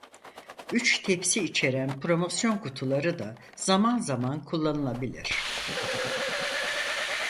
Üç tepsi içeren promosyon kutuları da zaman zaman kullanılabilir.